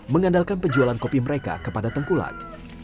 mengandalkan penjualan kopi mereka kepada tengkulak